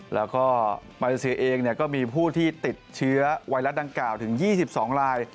แล้วก็มาเลเซียเองก็มีผู้ที่ติดเชื้อไวรัสดังกล่าวถึง๒๒ลาย